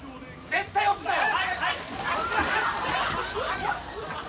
絶対押すなよ！